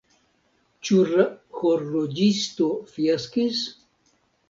Ĉu la horloĝisto fiaskis?